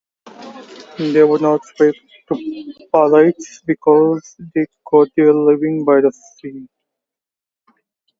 They would not speak to pilots because they got their living by the sea.